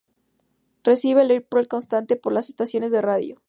Recibe el airplay constante por las estaciones de radio.